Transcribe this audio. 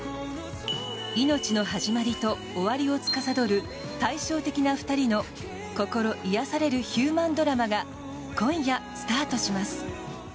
命の始まりと終わりをつかさどる対照的な２人の心癒やされるヒューマンドラマが今夜、スタートします。